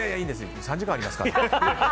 ３時間ありますから。